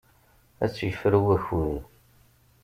Ad tt-yefru wakud.